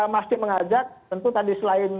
masih mengajak tentu tadi selain